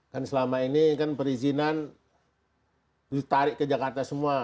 kan selama ini kan perizinan ditarik ke jakarta semua